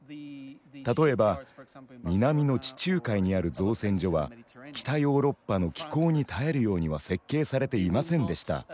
例えば南の地中海にある造船所は北ヨーロッパの気候に耐えるようには設計されていませんでした。